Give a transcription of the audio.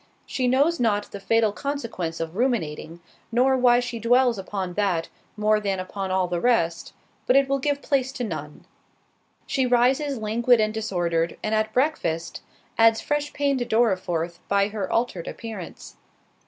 She knows not the fatal consequence of ruminating, nor why she dwells upon that, more than upon all the rest, but it will give place to none. She rises languid and disordered, and at breakfast, adds fresh pain to Dorriforth by her altered appearance.